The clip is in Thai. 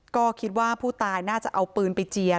ก็คิดว่าผู้ตายน่าจะเอาปืนไปเจียง